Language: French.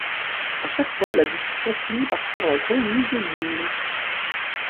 À chaque fois, la discussion finit par prendre un ton misogyne.